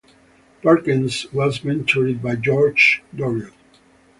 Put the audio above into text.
Perkins was mentored by Georges Doriot.